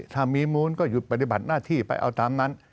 ถ้ามีมูลก็หยุดปฏิบัติหน้าที่ไปเอาตามนั้น